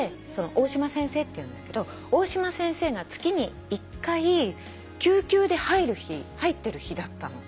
大島先生っていうんだけど大島先生が月に１回救急で入ってる日だったの。